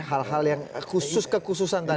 hal hal yang khusus kekhususan tadi